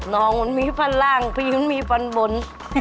น้องมันมีฟันล่างพี่มันมีฟันบน